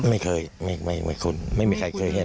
ไม่เคยไม่คุ้นไม่มีใครเคยเห็น